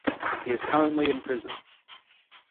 He is currently in prison.